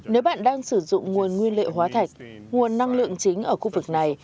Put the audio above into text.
nếu bạn đang sử dụng nguồn nguyên liệu hóa thạch nguồn năng lượng chính ở khu vực này